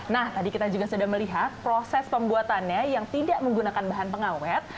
nah tadi kita juga sudah melihat proses pembuatannya yang tidak menggunakan bahan pengawet